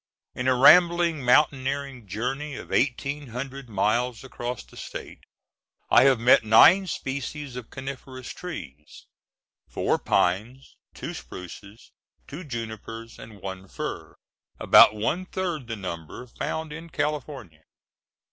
In a rambling mountaineering journey of eighteen hundred miles across the state, I have met nine species of coniferous trees,—four pines, two spruces, two junipers, and one fir,—about one third the number found in California.